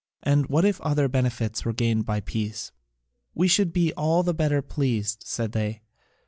"And what if other benefits were gained by peace?" "We should be all the better pleased," said they.